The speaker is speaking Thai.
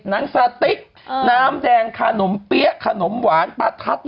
หนังสติ๊กน้ำแดงขนมเปี๊ยะขนมหวานประทัด